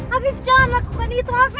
afiq jangan lakukan itu afiq